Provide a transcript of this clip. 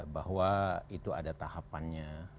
bahwa itu ada tahapannya